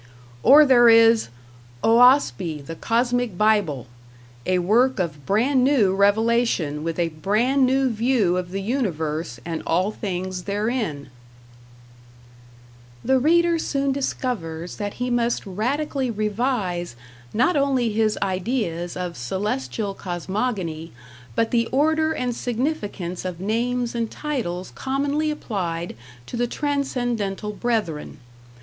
Or there is "Oahspe, the Cosmic Bible," a work of brand new revelation with a brand new view of the universe and all things therein: The reader soon discovers that he must radically revise not only his ideas of celestial Cosmogony, but the order and significance of names and titles commonly applied to the Transcendental Brethren.